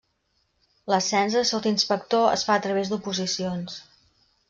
L'ascens a sotsinspector es fa a través d'oposicions.